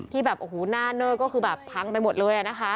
ที่แบบหน้าเนื้อก็คือแบบพังไปหมดเลย